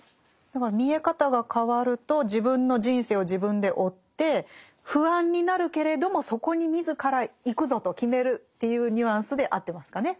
だから見え方が変わると自分の人生を自分で負って不安になるけれどもそこに自ら行くぞと決めるっていうニュアンスで合ってますかね。